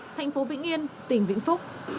thành phố vĩnh yên tỉnh vĩnh phúc